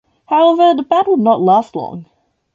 However the band would not last long.